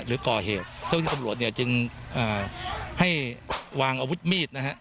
หรือก่อเหตุเจ้าที่ตำรวจเนี่ยจึงให้วางอาวุธมีดนะฮะ